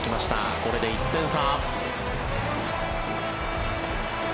これで１点差。